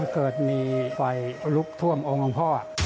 เกิดมีปลายลุกถวมองค์พ่อ